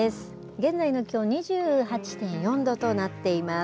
現在の気温２８．４度となっています。